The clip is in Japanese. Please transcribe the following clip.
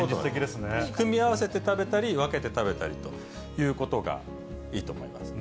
組み合わせて食べたり、分けて食べたりということがいいと思います。